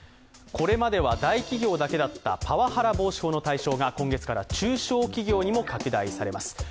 これまでは大企業だけだったパワハラ防止法の対象が今月から中小企業にも拡大されます。